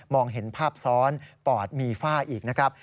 เห็นภาพซ้อนปอดมีฝ้าอีกนะครับ